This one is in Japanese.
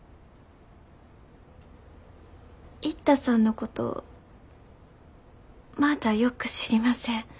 一太さんのことまだよく知りません。